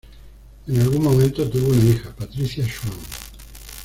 En algún momento, tuvo una hija, Patricia Swann.